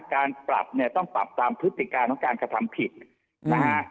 การปรับเนี่ยต้องปรับตามพฤติการของการกระทำผิดนะฮะ